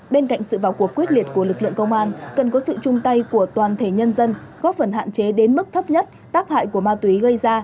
bên cạnh sự vào cuộc quyết liệt của lực lượng công an cần có sự chung tay của toàn thể nhân dân góp phần hạn chế đến mức thấp nhất tác hại của ma túy gây ra